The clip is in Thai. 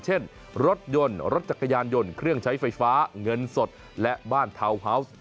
เช่นรถยนต์รถจักรยานยนต์เครื่องใช้ไฟฟ้าเงินสดและบ้านทาวน์ฮาวส์